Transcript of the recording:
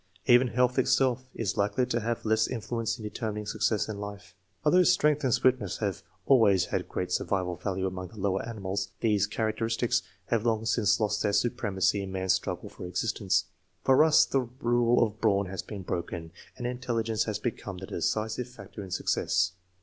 Even health itself is likely to have less influence in determining success in life. Although strength and swiftness have always hud great survival value among the lower animals, these characteristics have long since lost their supremacy in man's struggle for existence. For us the rule of brawn has been broken, and intelli gence has become the decisive factor in success.